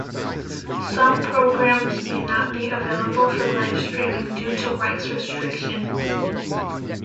Some programmes may not be available for live streaming due to rights restrictions.